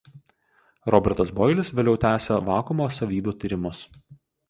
Robertas Boilis vėliau tęsė vakuumo savybių tyrimus.